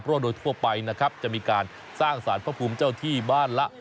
เพราะโดยทั่วไปนะครับจะมีการสร้างสารพระภูมิเจ้าที่บ้านละ